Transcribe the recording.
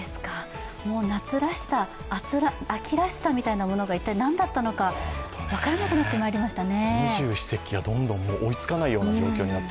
もう夏らしさ、秋らしさみたいなものが一体何だったのか分からなくなってきましたね。